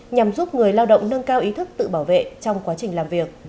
nhằm giúp người lao động nâng cao ý thức tự bảo vệ trong quá trình làm việc